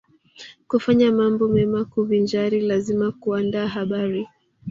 Kufanya mambo mema kivinjari lazima kuandaa habari